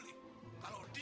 makhluk u taller